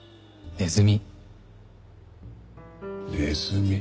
ネズミ。